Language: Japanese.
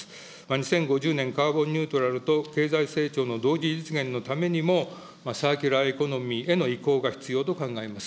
２０５０年カーボンニュートラルと経済成長の同時実現のためにも、サーキュラーエコノミーへの移行が必要と考えます。